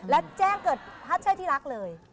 และแจ้งเกิดฮัชเช่ที่รักเลย